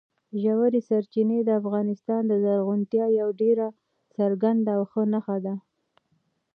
ژورې سرچینې د افغانستان د زرغونتیا یوه ډېره څرګنده او ښه نښه ده.